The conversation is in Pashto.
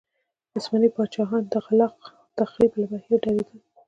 عثماني پاچاهان د خلاق تخریب له بهیره ډارېدل.